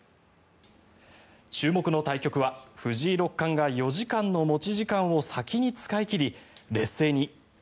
注目の対局は藤井六冠が４時間の持ち時間を先に使い切り、劣勢に。